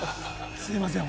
すみません。